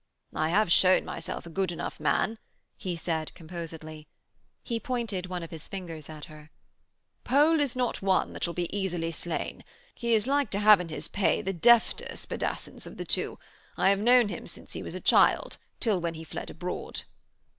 'I have shewn myself a good enough man,' he said composedly. He pointed one of his fingers at her. 'Pole is not one that shall be easily slain. He is like to have in his pay the defter spadassins of the two. I have known him since he was a child till when he fled abroad.'